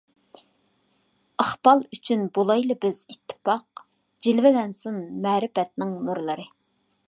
ئىقبال ئۈچۈن بولايلى بىز ئىتتىپاق، جىلۋىلەنسۇن مەرىپەتنىڭ نۇرلىرى.